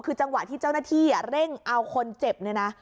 คือจังหวะที่เจ้าหน้าที่เร่งอ่าวคนเจ็บ